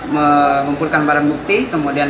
mengumpulkan barang bukti kemudian